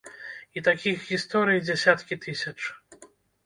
І такіх гісторый дзясяткі тысяч.